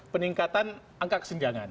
peningkatan angka kesenjangan